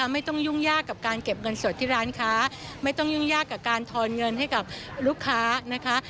ไม่ต้องยุ่งยากกับการเก็บเงินสดที่ร้านค้าไม่ต้องยุ่งยากกับการทอนเงินให้กับลูกค้านะคะ